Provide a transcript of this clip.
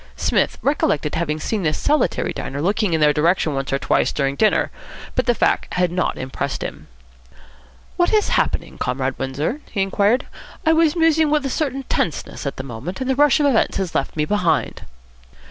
Psmith recollected having seen this solitary diner looking in their direction once or twice during dinner, but the fact had not impressed him. "What is happening, Comrade Windsor?" he inquired. "I was musing with a certain tenseness at the moment, and the rush of events has left me behind."